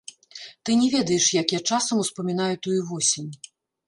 Ты не ведаеш, як я часам успамінаю тую восень.